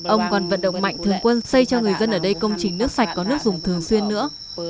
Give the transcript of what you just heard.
ông còn vận động mạnh thường quân xây cho người dân ở đây công trình nước sạch có nước dùng thường xuyên nữa